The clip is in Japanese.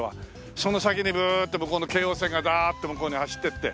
その先にグーッと向こうの京王線がダーッと向こうに走っていって。